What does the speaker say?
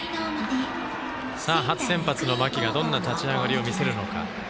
初先発の間木がどんな立ち上がりを見せるのか。